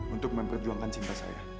untuk memperjuangkan cinta saya